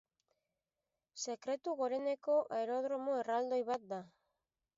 Sekretu goreneko aerodromo erraldoi bat da.